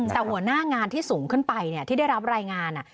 แต่หัวหน้างานที่สูงขึ้นไปที่ได้รับรายงาน